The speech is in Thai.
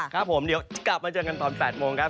ครับผมเดี๋ยวกลับมาเจอกันตอน๘โมงครับ